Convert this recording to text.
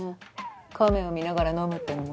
亀を見ながら飲むってのも。